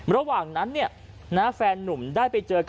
ระหว่างนั้นเนี่ยนะแฟนนุ่มได้ไปเจอกับ